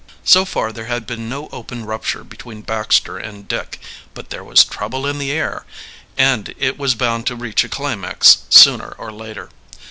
So far there had been no open rupture between Baxter and Dick, but there was trouble "in the air," and it was bound to reach a climax sooner or later.